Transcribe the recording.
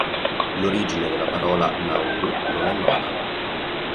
L'origine della parola "Nauru" non è nota.